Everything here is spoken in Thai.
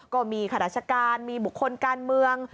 ก็มีข้าราชการมีบุคคลการเมือง